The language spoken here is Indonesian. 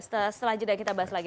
setelah jeda kita bahas lagi